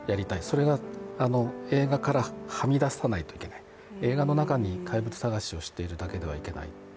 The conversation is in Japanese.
それが映画からは見出さないといけない映画の中に怪物さがしをしているだけではいけない。